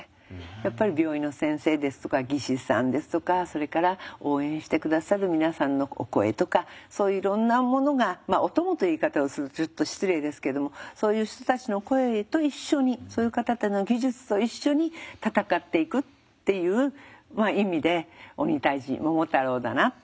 やっぱり病院の先生ですとか技師さんですとかそれから応援して下さる皆さんのお声とかそういういろんなものがお供という言い方をするとちょっと失礼ですけどもそういう人たちの声と一緒にそういう方たちの技術と一緒に闘っていくっていう意味で鬼退治桃太郎だなと思いました。